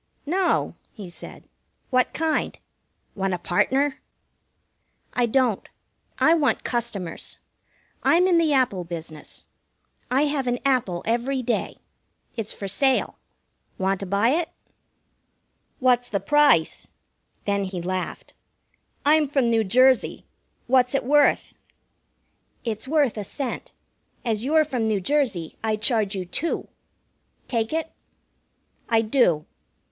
"No," he said. "What kind? Want a partner?" "I don't. I want customers. I'm in the Apple business. I have an apple every day. It's for sale. Want to buy it?" "What's the price?" Then he laughed. "I'm from New Jersey. What's it worth?" "It's worth a cent. As you're from New Jersey, I charge you two. Take it?" "I do."